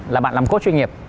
là bạn làm course chuyên nghiệp